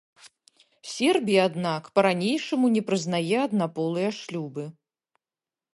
Сербія, аднак, па-ранейшаму не прызнае аднаполыя шлюбы.